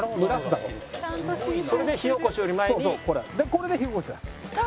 これで火おこしだ。